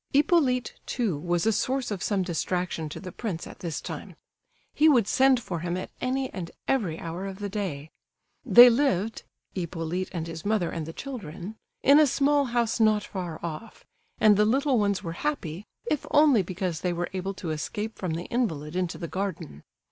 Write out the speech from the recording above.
Hippolyte, too, was a source of some distraction to the prince at this time; he would send for him at any and every hour of the day. They lived,—Hippolyte and his mother and the children,—in a small house not far off, and the little ones were happy, if only because they were able to escape from the invalid into the garden.